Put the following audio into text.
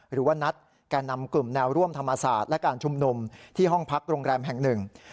หรือว่านัดการนำกลุ่มแนวร่วมธรรษฐศและการชุมนุมที่ห้องพักโรงแรมแห่ง๑